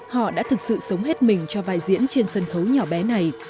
họ đã thực sự sống hết mình cho vai diễn trên sân khấu nhỏ bé này